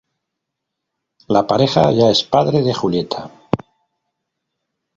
La pareja ya es padre de Julieta.